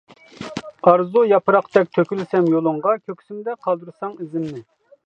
ئارزۇ ياپراقتەك تۆكۈلسەم يولۇڭغا، كۆكسۈمدە قالدۇرساڭ ئىزىمنى.